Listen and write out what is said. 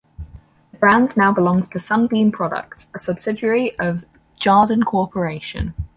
The brand now belongs to Sunbeam Products, a subsidiary of Jarden Corporation.